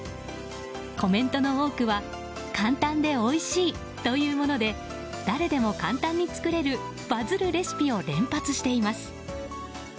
コメントの多くは簡単でおいしいというもので誰でも簡単に作れるバズるレシピを連発しています。